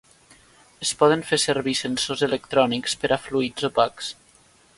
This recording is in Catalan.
Es poden fer servir sensors electrònics per a fluids opacs.